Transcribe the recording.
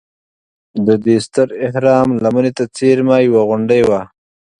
د دې ستر اهرام لمنې ته څېرمه یوه غونډه وه.